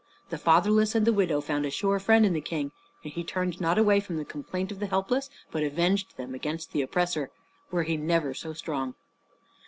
The fatherless and the widow found a sure friend in the King; he turned not away from the complaint of the helpless, but avenged them against the oppressor, were he never so strong.